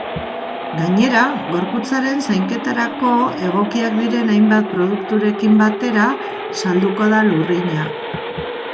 Gainera, gorputzaren zainketarako egokiak diren hainbat produkturekin batera salduko da lurrina.